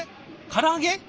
から揚げ？